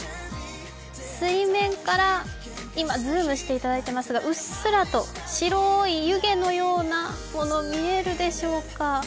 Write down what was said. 水面から今、ズームしていただいていますが、うっすらと白い湯気のようなもの見えるでしょうか。